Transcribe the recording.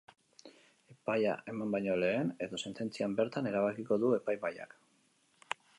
Epaia eman baino lehen edo sententzian bertan erabakiko du epaimahaiak.